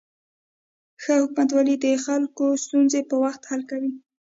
ښه حکومتولي د خلکو ستونزې په وخت حل کوي.